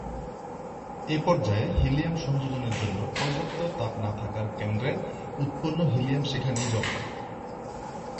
এই পর্যায়ে হিলিয়াম সংযোজনের জন্য পর্যাপ্ত তাপ না থাকায় কেন্দ্রে উৎপন্ন হিলিয়াম সেখানেই জমে।